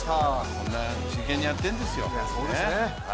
こんな真剣にやってるんですよ。